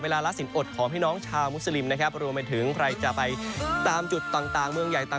ดิบระดาษวิชาดิตข่าวเทราะต์ทีวีรายงานจากกรุงวอร์ชินตันดีซีสหรัฐอเมริกาค่ะ